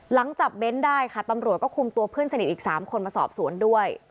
หลังจับเน้นได้ค่ะตำรวจก็คุมตัวเพื่อนสนิทอีก๓คนมาสอบสวนด้วย